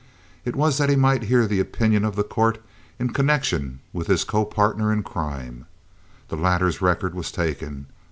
It was that he might hear the opinion of the court in connection with his copartner in crime. The latter's record was taken.